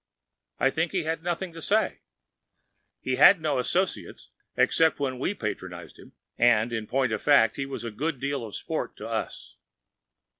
I think he had nothing to say. He had no associates, except when we patronized him; and, in point of fact, he was a good deal of sport to us.